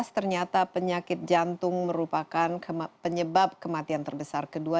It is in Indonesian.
ternyata penyakit jantung merupakan penyebab kematian terbesar kedua